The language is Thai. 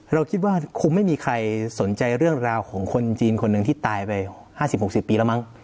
เราคิดว่าคงไม่มีใครสนใจเรื่องราวของคนจีนคนหนึ่งที่ตายไป๕๐๖๐ปีแล้วมั้ง